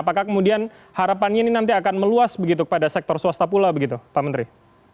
apakah kemudian harapannya ini nanti akan meluas begitu pada sektor swasta pula begitu pak menteri